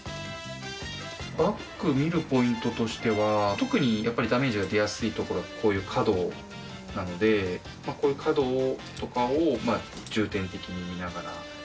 バッグ見るポイントとしては、特にダメージが出やすいところ、こういう角なので、こういう角とかを、重点的に見ながら。